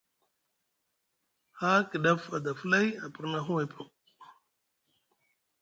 Haa kidaf a da flay, a pirna huway paŋ.